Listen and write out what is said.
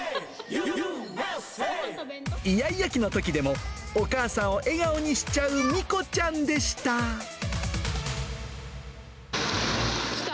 嫌々気のときでも、お母さんを笑顔にしちゃうみこちゃんでした。来た！